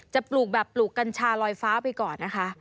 ปลูกแบบปลูกกัญชาลอยฟ้าไปก่อนนะคะ